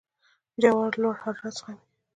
جوار لوړ حرارت زغمي.